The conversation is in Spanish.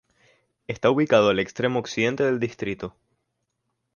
Está ubicado al extremo occidente del distrito.